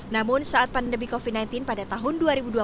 namun saat pandemi covid sembilan belas pada tahun dua ribu dua puluh